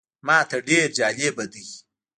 ماته ډېر جالبه دی.